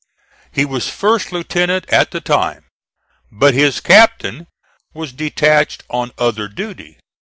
He was first lieutenant at the time, but his captain was detached on other duty.